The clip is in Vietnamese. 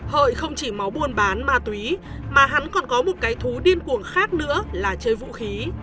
hợi không chỉ máu buôn bán ma túy mà hắn còn có một cái thú điên cuồng khác nữa là chơi vũ khí